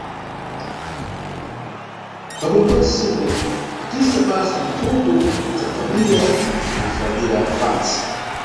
Pakuyambuka nʼsewu, phatisa basa mbuto zakufambira anyanʼfambira pantsi.